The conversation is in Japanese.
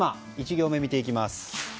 １行目、見ていきます。